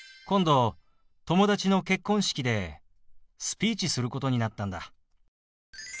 今度友達の結婚式でスピーチすることになったんだ。